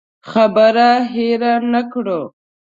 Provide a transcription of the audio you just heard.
خبره هېره نه کړو.